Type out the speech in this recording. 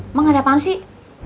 emang ada apaan sih